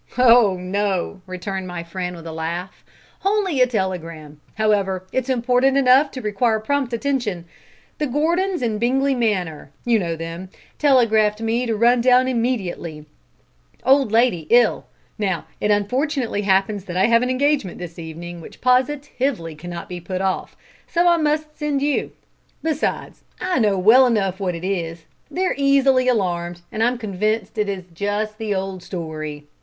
"Oh no," returned my friend, with a laugh "only a telegram. However, it's important enough to require prompt attention. The Gordons in Bingley Manor you know them telegraph me to run down immediately; old lady ill. Now, it unfortunately happens that I have an engagement this evening which positively cannot be put off, so I must send you. Besides, I know well enough what it is. They're easily alarmed, and I'm convinced it is just the old story.